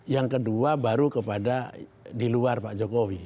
yang kedua baru kepada di luar pak jokowi